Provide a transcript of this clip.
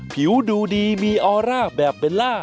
ผิวดูดีมีออร่าแบบเบลล่า